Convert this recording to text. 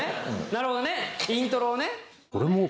なるほどねイントロをね。